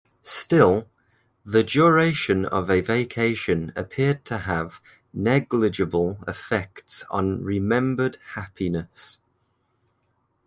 Still, the duration of a vacation appeared to have negligible effects on remembered happiness.